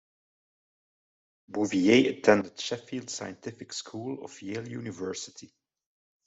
Bouvier attended Sheffield Scientific School of Yale University.